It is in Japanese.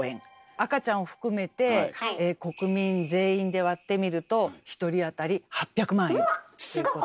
赤ちゃんを含めて国民全員で割ってみると１人あたり８００万円。